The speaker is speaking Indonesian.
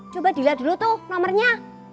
coba dilihat dulu tuh nomornya